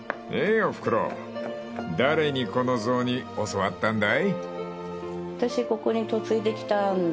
おふくろ誰にこの雑煮教わったんだい？］